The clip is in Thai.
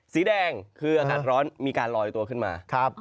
สีแดงคืออากาศร้อนมีการลอยตัวขึ้นมา